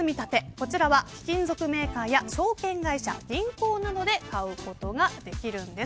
こちらは貴金属メーカーや証券会社、銀行などで買うことができるんです。